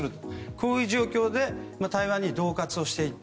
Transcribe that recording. こういう状況で台湾に恫喝をしていく。